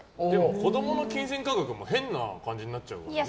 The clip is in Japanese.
子供の金銭感覚も変な感じになっちゃうよね。